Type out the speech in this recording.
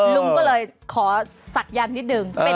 ลุงก็เลยขอศักยันต์นิดนึง